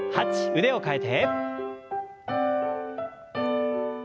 腕を替えて。